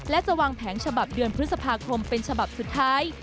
และจะวางแผงฉบับเดือนพฤษภาคมเป็นฉบับสุดท้าย